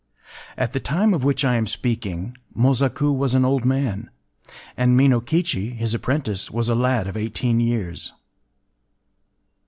At the time of which I am speaking, Mosaku was an old man; and Minokichi, his apprentice, was a lad of eighteen years.